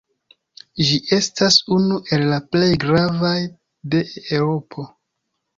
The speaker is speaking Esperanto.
Ĝi estas unu el la plej gravaj de Eŭropo.